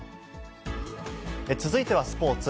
続いてはスポーツ。